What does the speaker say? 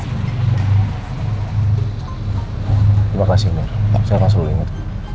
terima kasih mbak saya langsung ingat